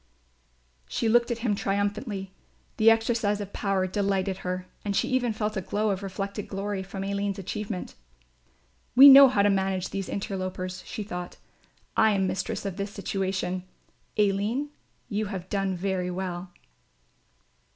She looked at him triumphantly, the exercise of power delighted her and she even felt a glow of reflected glory from Aline's achievement. "We know how to manage these interlopers," she thought; "I am mistress of this situation. Aline, you have done very well."